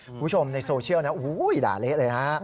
คุณผู้ชมในโซเชียลนะด่าเละเลยฮะ